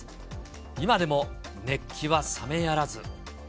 今でも熱気は冷めやらず。